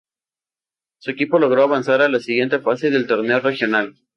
Su equipo logró avanzar a la siguiente fase del torneo regional.